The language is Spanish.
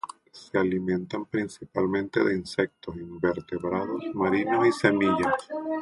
Se alimentan principalmente de insectos, invertebrados marinos y semillas.